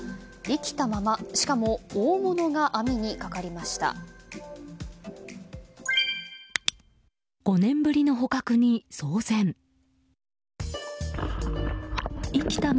生きたまましかも、大物が網にかかりました。